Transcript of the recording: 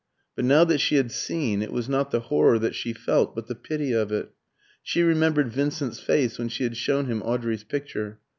But now that she had seen, it was not the horror that she felt, but the pity of it. She remembered Vincent's face when she had shown him Audrey's picture.